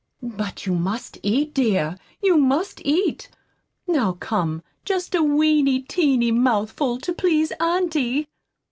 But you must eat, dear, you must eat. Now, come, just a weeny, teeny mouthful to please auntie!"